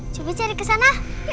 coba cari kesana